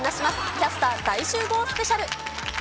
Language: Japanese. キャスター大集合スペシャル。